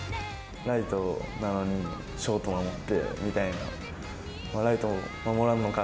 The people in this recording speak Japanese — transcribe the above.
ライトなのに、ショート守ってるみたいな、ライト守らんのか！